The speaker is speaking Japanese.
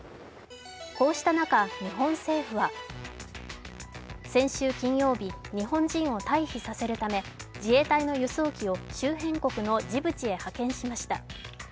こうした中、日本政府は先週金曜日、日本人を退避させるため自衛隊の輸送機を周辺国のジブチへ派遣しました。